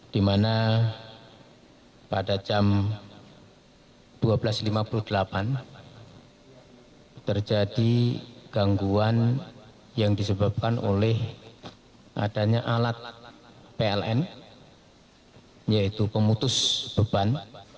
di mana pada jam dua belas lima puluh delapan terjadi gangguan yang disebabkan oleh adanya alat pln yaitu pemutus beban